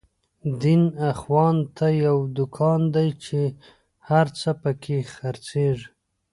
دين اخوان ته يو دکان دی، چی هر څه په کی خر څيږی